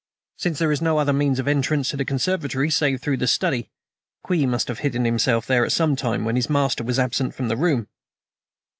"Since there is no other means of entrance to the conservatory save through the study, Kwee must have hidden himself there at some time when his master was absent from the room."